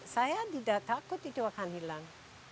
saya tidak takut itu akan hilang